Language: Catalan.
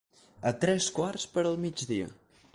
A tres quarts per al migdia.